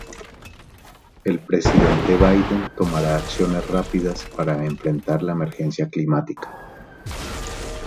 El presidente Biden tomará acciones rápidas para enfrentar la emergencia climática